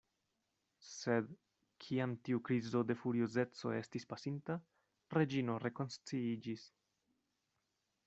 Sed, kiam tiu krizo de furiozeco estis pasinta, Reĝino rekonsciiĝis.